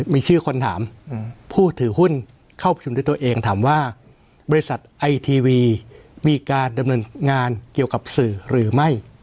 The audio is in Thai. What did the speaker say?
มีชื่อคนถามผู้ถือหุ้นเข้าประชุมด้วยตัวเองถามว่าบริษัทไอทีวีมีการดำเนินงานเกี่ยวกับสื่อหรือไม่